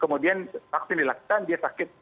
kemudian vaksin dilakukan dia sakit